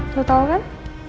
lo tau kan